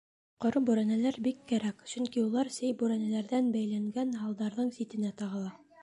Ә ҡоро бүрәнәләр бик кәрәк, сөнки улар сей бүрәнәләрҙән бәйләнгән һалдарҙың ситенә тағыла.